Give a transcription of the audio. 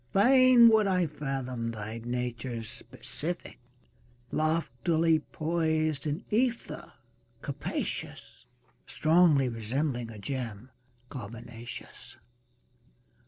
Fain would I fathom thy nature's specific Loftily poised in ether capacious. Strongly resembling a gem carbonaceous.